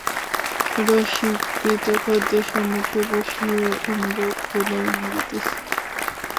রাশীকৃত খাদ্যের সম্মুখে বসিয়া আমরা ক্ষুধায় মরিতেছি।